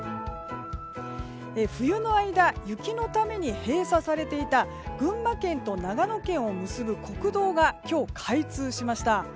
冬の間雪のために閉鎖されていた群馬県と長野県を結ぶ国道が今日、開通しました。